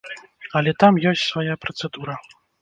Але там ёсць свая працэдура.